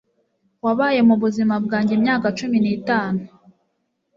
wabaye mubuzima bwanjye imyaka cumi n'itanu